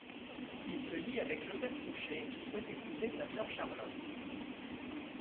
Il se lie avec Joseph Fouché, qui souhaite épouser sa sœur Charlotte.